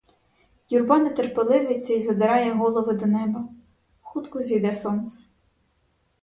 Юрба нетерпеливиться й задирає голови до неба — хутко зійде сонце.